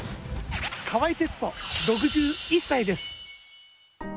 川合徹人、６１歳です。